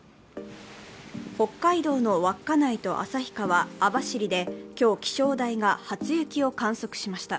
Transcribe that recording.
北海道の稚内と旭川、網走で、今日、気象台が初雪を観測しました。